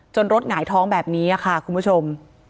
รถหงายท้องแบบนี้ค่ะคุณผู้ชม